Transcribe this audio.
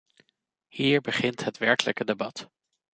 Hier begint het werkelijke debat.